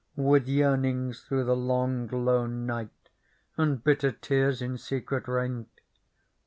With yearnings through the long lone night And bitter tears in secret rained